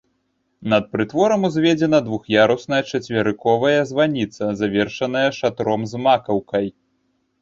Над прытворам узведзена двух'ярусная чацверыковая званіца, завершаная шатром з макаўкай.